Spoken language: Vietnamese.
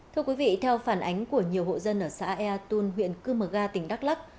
thưa quý vị theo phản ánh của nhiều hộ dân ở xã ea tôn huyện cư mờ ga tỉnh đắk lắc